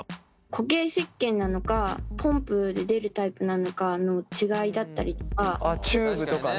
固形せっけんなのかポンプで出るタイプなのかの違いだったりとか。